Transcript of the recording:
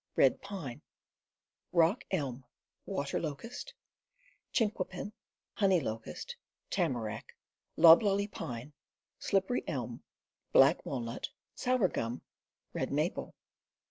Strong Woods Rock Ehn, Water Locust, Chinquapin, Honey Locust, Tamarack, Loblolly Pine, Slippery Elm, Black Walnut, Sour Gum, Red Maple.